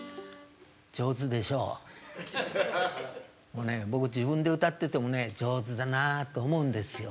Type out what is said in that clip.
もうね僕自分で歌っててもね上手だなあと思うんですよ。